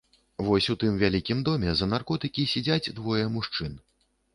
Вось у тым вялікім доме за наркотыкі сядзяць двое мужчын.